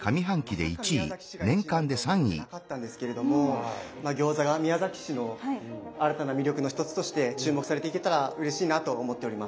まさか宮崎市が１位になるとは思ってなかったんですけれども餃子が宮崎市の新たな魅力の一つとして注目されていけたらうれしいなと思っております。